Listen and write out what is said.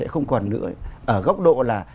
không còn nữa ở góc độ là